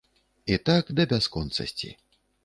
І так да бясконцасці.